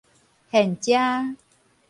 現遮